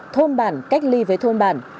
thôn bản cách ly với thôn bản